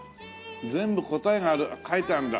全部答えが書いてあるんだ。